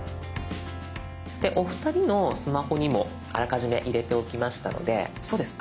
でお二人のスマホにもあらかじめ入れておきましたのでそうです